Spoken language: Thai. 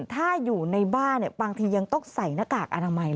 ถ้าอยู่ในบ้านบางทียังต้องใส่หน้ากากอนามัยเลย